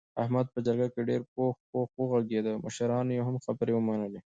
احمد په جرګه کې ډېر پوخ پوخ و غږېدا مشرانو یې هم خبرې ومنلې.